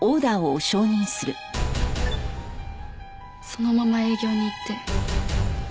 そのまま営業に行って終わった